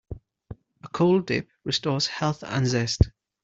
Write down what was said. A cold dip restores health and zest.